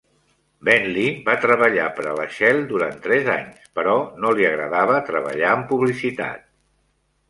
Bentley va treballar per a la Shell durant tres anys però no li agradava treballar en publicitat.